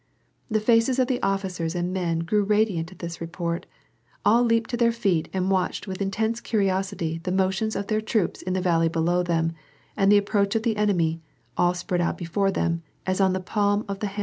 The faces of officers and men grew radiant at this report ; all leaped to their feet and watched with intense curiosity the motions of their troops in the valley below them, and the approach of the enemy, all spread out before them "as on the palm of the hand."